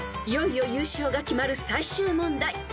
［いよいよ優勝が決まる最終問題］